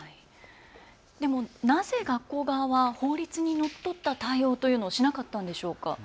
でもなぜ学校側は法律にのっとった対応というのをしなかったんでしょうか。